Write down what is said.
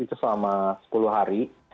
itu selama sepuluh hari